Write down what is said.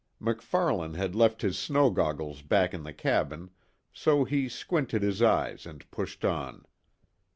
MacFarlane had left his snow goggles back in the cabin, so he squinted his eyes and pushed on.